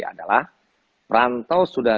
adalah perantau sudah